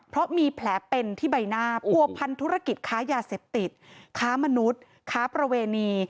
เพราะมีแผลเป็นที่ใบหน้าผัวพันธุรกิจค้ายาเสพติดค้ามนุษย์ค้าประเวณี